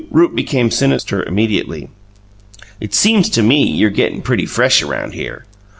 Rupe became sinister immediately. "It seems to me you're gettin' pretty fresh around here."